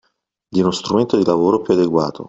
Di uno strumento di lavoro più adeguato